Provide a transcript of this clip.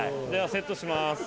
ではセットします。